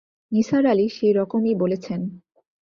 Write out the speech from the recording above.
নিসার আলি সে রকমই বলেছেন।